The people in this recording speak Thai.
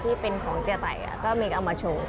ที่เป็นของเจียตัยก็มีกันเอามาโชว์